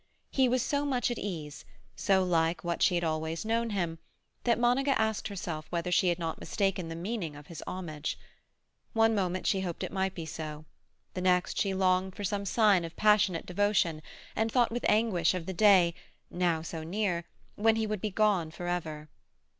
He was so much at ease, so like what she had always known him, that Monica asked herself whether she had not mistaken the meaning of his homage. One moment she hoped it might be so; the next, she longed for some sign of passionate devotion, and thought with anguish of the day, now so near, when he would be gone for ever.